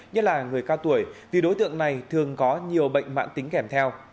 như là người cao tuổi vì đối tượng này thường có nhiều bệnh mạng tính kèm theo